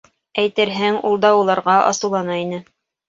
Әйтерһең, ул да уларға асыулана ине.